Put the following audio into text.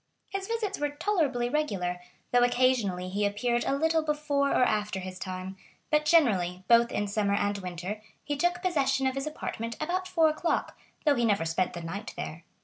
His visits were tolerably regular, though occasionally he appeared a little before or after his time, but generally, both in summer and winter, he took possession of his apartment about four o'clock, though he never spent the night there.